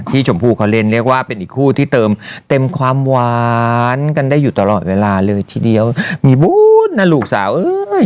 ชมพูเขาเล่นเรียกว่าเป็นอีกคู่ที่เติมเต็มความหวานกันได้อยู่ตลอดเวลาเลยทีเดียวมีบูธนะลูกสาวเอ้ย